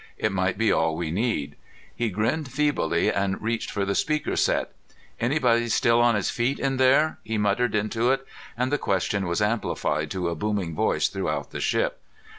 It might be all we need." He grinned feebly and reached for the speaker set. "Anybody still on his feet in there?" he muttered into it, and the question was amplified to a booming voice throughout the ship.